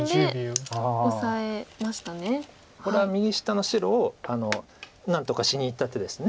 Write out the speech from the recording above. これは右下の白を何とかしにいった手です。